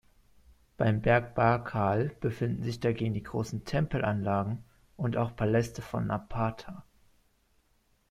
Beim Berg Barkal befinden sich dagegen die großen Tempelanlagen und auch Paläste von Napata.